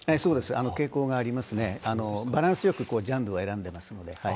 傾向がありますね、バランスよくジャンルを選んでいるので。